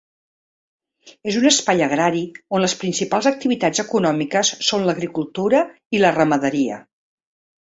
És un espai agrari on les principals activitats econòmiques són l’agricultura i la ramaderia.